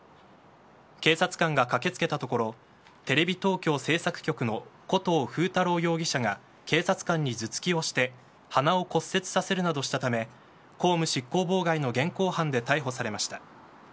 警察官が駆け付けたところテレビ東京制作局の古東風太郎容疑者が警察官に頭突きをして鼻を骨折させるなどしたため公務執行妨害の現行犯で逮捕されました。